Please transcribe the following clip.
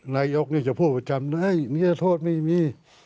นายกจะพูดประจำนิยโทษไม่มี